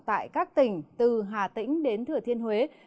tại các tỉnh từ hà tĩnh đến thừa thiên huế